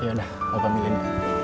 ya udah aku ambilin